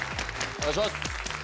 お願いします。